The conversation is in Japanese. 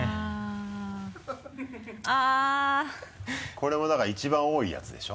これもだから一番多いやつでしょ？